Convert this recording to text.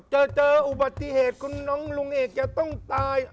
เจออุบัติเหตุลุงเอกจะต้องตาย